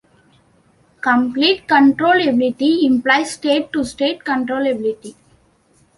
Complete controllability implies state-to-state controllability.